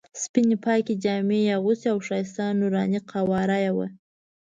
سپینې پاکې جامې یې اغوستې او ښایسته نوراني قواره یې وه.